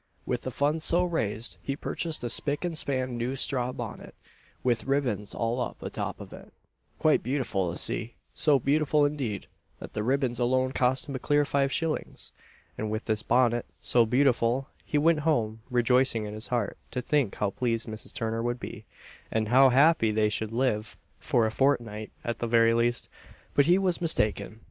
With the funds so raised, he purchased a spick and span new straw bonnet, with ribbons all up a top of it, quite beautiful to see so beautiful, indeed, that the ribbons alone cost him a clear five shillings. And with this bonnet, so beautiful, he went home, rejoicing in his heart to think how pleased Mrs. Turner would be, and how happy they should live for a fortnight at the very least. But he was mistaken.